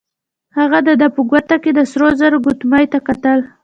هغه د ده په ګوته کې د سرو زرو ګوتمۍ ته کتل.